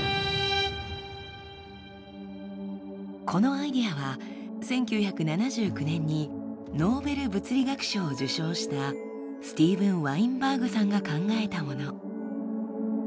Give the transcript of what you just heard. このアイデアは１９７９年にノーベル物理学賞を受賞したスティーブン・ワインバーグさんが考えたもの。